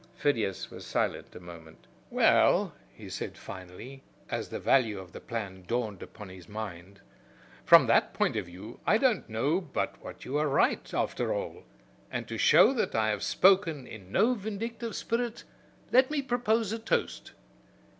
Phidias was silent a moment. "Well," he said, finally, as the value of the plan dawned upon his mind, "from that point of view I don't know but what you are right, after all; and, to show that I have spoken in no vindictive spirit, let me propose a toast.